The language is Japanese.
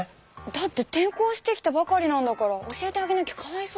だって転校してきたばかりなんだから教えてあげなきゃかわいそうでしょう。